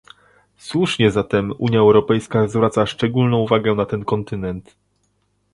Słusznie zatem Unia Europejska zwraca szczególną uwagę na ten kontynent